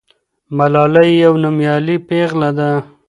ملالۍ یوه نومیالۍ پیغله ده.